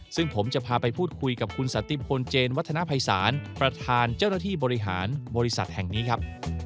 ซึ่งผมจะพาไปพูดคุยกับคุณสันติพลเจนวัฒนภัยศาลประธานเจ้าหน้าที่บริหารบริษัทแห่งนี้ครับ